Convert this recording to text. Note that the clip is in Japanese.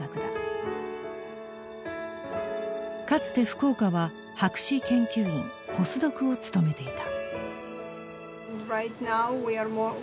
かつて福岡は博士研究員ポスドクを務めていた。